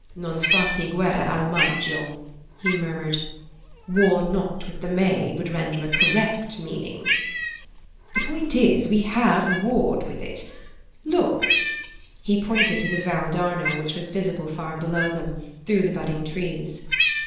"Non fate guerra al Maggio," he murmured. "'War not with the May' would render a correct meaning." "The point is, we have warred with it. Look." He pointed to the Val d'Arno, which was visible far below them, through the budding trees.